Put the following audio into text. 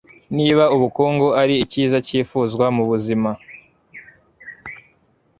niba ubukungu ari icyiza cyifuzwa mu buzima